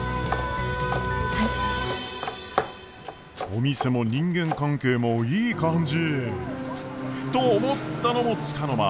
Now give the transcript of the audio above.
お店も人間関係もいい感じ！と思ったのもつかの間。